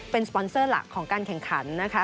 เป็นสปอนเซอร์หลักของการแข่งขันนะคะ